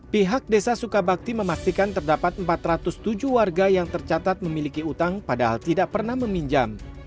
pihak desa sukabakti memastikan terdapat empat ratus tujuh warga yang tercatat memiliki utang padahal tidak pernah meminjam